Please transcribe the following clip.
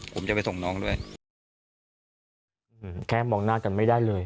ผมจะไปส่งน้องด้วยแค่มองหน้ากันไม่ได้เลย